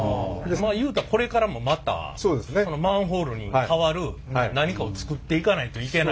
まあ言うたらこれからもまたそのマンホールに代わる何かを作っていかないといけないと。